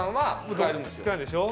使えんでしょ？